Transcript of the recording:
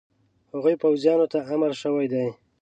هغو پوځیانو ته امر شوی دی.